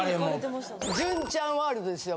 純ちゃんワールドですよ